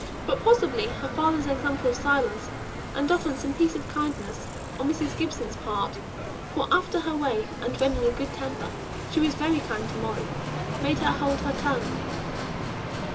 But, possibly, her father's example of silence, and often some piece of kindness on Mrs. Gibson's part (for after her way, and when in a good temper, she was very kind to Molly), made her hold her tongue.